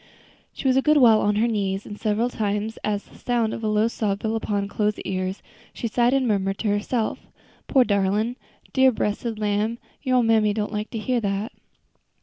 She was a good while on her knees, and several times, as the sound of a low sob fell upon Chloe's ear, she sighed and murmured to herself: "Poor, darlin'! dear, bressed lamb, your ole mammy don't like to hear dat."